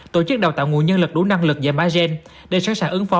tổ chức đào tạo nguồn nhân lực đủ năng lực giảm agen để sẵn sàng ứng phó